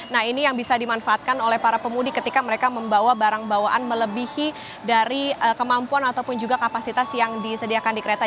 nah ini yang bisa dimanfaatkan oleh para pemudik ketika mereka membawa barang bawaan melebihi dari kemampuan ataupun juga kapasitas yang disediakan di kereta